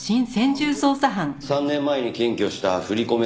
３年前に検挙した振り込め